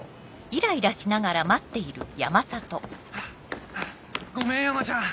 ハァハァごめん山ちゃん！